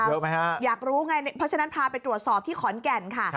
เพราะฉะนั้นพาไปตรวจสอบที่ขอนแก่นค่ะ